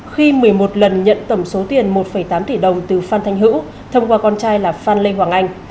khi một mươi một lần nhận tổng số tiền một tám tỷ đồng từ phan thanh hữu thông qua con trai là phan lê hoàng anh